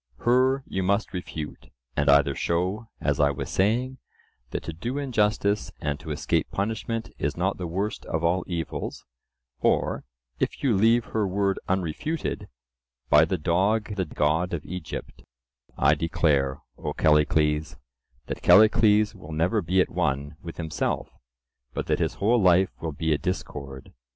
Her you must refute, and either show, as I was saying, that to do injustice and to escape punishment is not the worst of all evils; or, if you leave her word unrefuted, by the dog the god of Egypt, I declare, O Callicles, that Callicles will never be at one with himself, but that his whole life will be a discord.